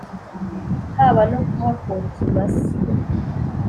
Haba no kuhakura ikimasa